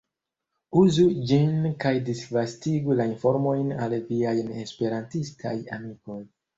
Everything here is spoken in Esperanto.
Uzu ĝin kaj disvastigu la informojn al viaj ne-esperantistaj amikoj.